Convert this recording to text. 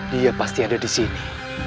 dia pasti ada di sini